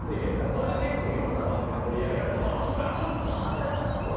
それが結構いろんな番組で取り上げられてちょっとはねだしたんすよ。